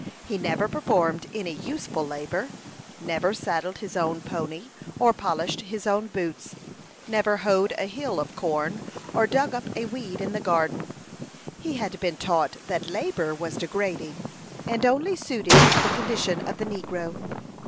He never performed any useful labor; never saddled his own pony, or polished his own boots; never hoed a hill of corn, or dug up a weed in the garden. He had been taught that labor was degrading, and only suited to the condition of the negro.